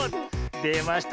でました。